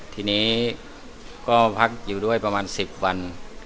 ทีนี้ก็พักอยู่ด้วยประมาณ๑๐วัน